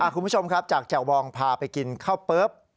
คุณผู้ชมครับจากแจ่ววองพาไปกินข้าวเปิ๊บ